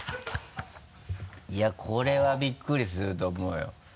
いやこれはびっくりすると思うよ。